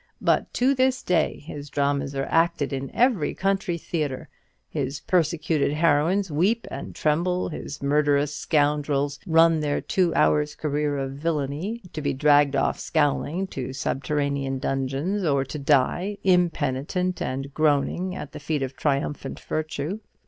But to this day his dramas are acted in every country theatre; his persecuted heroines weep and tremble; his murderous scoundrels run their two hours' career of villany, to be dragged off scowling to subterranean dungeons, or to die impenitent and groaning at the feet of triumphant virtue.